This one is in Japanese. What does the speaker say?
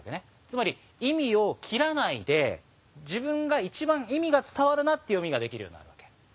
つまり意味を切らないで自分が一番意味が伝わるなって読みができるようになるわけ。